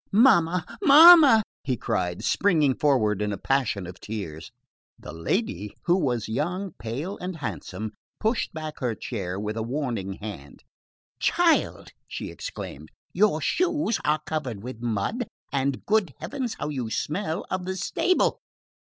"Mamma! Mamma!" he cried, springing forward in a passion of tears. The lady, who was young, pale and handsome, pushed back her chair with a warning hand. "Child," she exclaimed, "your shoes are covered with mud; and, good heavens, how you smell of the stable!